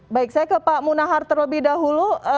baik saya ke pak munahar terlebih dahulu